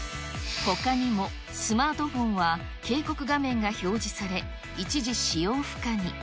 ほかにもスマートフォンは警告画面が表示され、一時使用不可に。